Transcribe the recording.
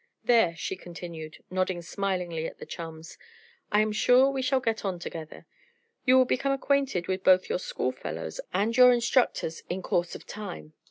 "There!" she continued, nodding smilingly at the chums. "I am sure we shall get on together. You will become acquainted with both your school fellows and your instructors in course of time.